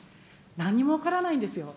何も分からないんですよ。